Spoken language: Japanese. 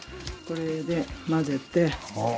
これで混ぜて。